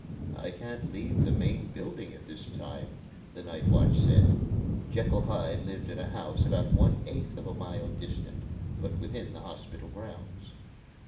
"I can't leave the main building at this time," the night watch said. (Jekyll Hyde lived in a house about one eighth of a mile distant, but within the hospital grounds.)